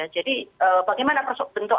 jadi bagaimana bentuk